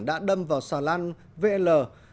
đã đâm vào xà lan vl chín nghìn chín